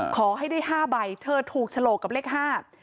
ขอให้ได้ห้าใบเธอถูกฉลกกับเลขห้า